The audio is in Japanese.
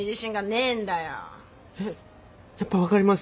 えっやっぱ分かります？